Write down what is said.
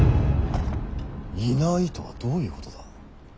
いないとはどういうことだ。